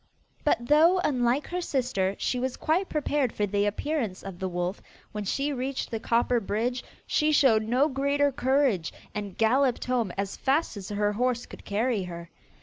But though, unlike her sister, she was quite prepared for the appearance of the wolf when she reached the copper bridge, she showed no greater courage, and galloped home as fast as her horse could carry her.